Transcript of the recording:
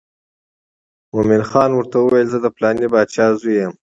مومن خان ورته وویل زه د پلانې باچا زوی یم.